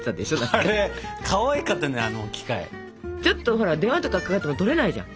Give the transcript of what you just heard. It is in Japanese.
ちょっとほら電話とかかかってきてもとれないじゃん。